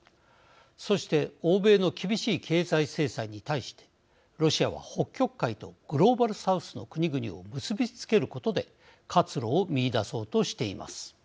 そして欧米の厳しい経済制裁に対してロシアは北極海とグローバル・サウスの国々を結び付けることで活路を見いだそうとしています。